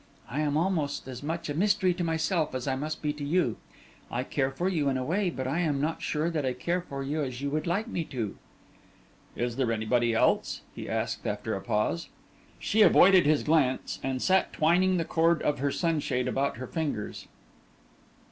"I am almost as much a mystery to myself as I must be to you. I care for you in a way, but I am not sure that I care for you as you would like me to." "Is there anybody else?" he asked, after a pause. She avoided his glance, and sat twining the cord of her sunshade about her fingers.